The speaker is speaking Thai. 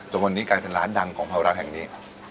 จนวันนี้กลายเป็นร้านดังของภายรักแห่งนี้